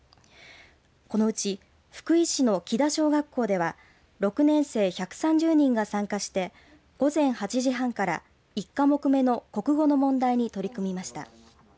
このうち福井市の木田小学校では６年生１３０人が参加して午前８時半から１科目の国語の問題に取り組みました。